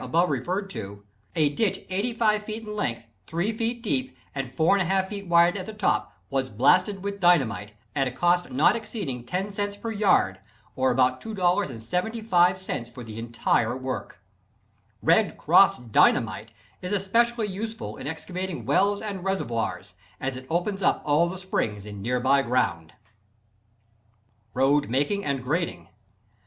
above referred to, a ditch 85 feet in length, 3 feet deep and 4 1/2 feet wide at the top, was blasted with dynamite, at a cost not exceeding 10 cents per yard, or about $2.75 for the entire work. "Red Cross" Dynamite is especially useful in excavating wells and reservoirs, as it opens up all the springs in nearby ground. Road Making and Grading.